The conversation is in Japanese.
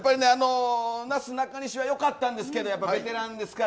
なすなかにしは良かったんですけどベテランですから。